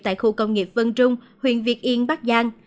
tại khu công nghiệp vân trung huyện việt yên bắc giang